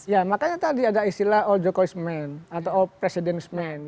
ya makanya tadi ada istilah old jokowismen atau old president's men